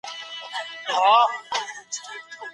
پیغمبر د هغه د وژلو حکم صادر کړ.